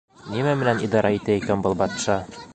Нимә менән идара итә икән был батша?